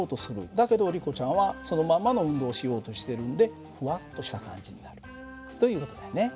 だけどリコちゃんはそのまんまの運動をしようとしてるんでふわっとした感じになるという事だよね。